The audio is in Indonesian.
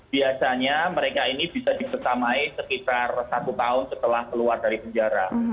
biasanya mereka ini bisa dibetamai sekitar satu tahun setelah keluar dari penjara